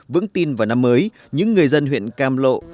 vững tin vào năm mới